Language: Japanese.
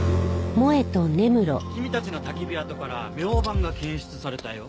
君たちの焚き火跡からみょうばんが検出されたよ。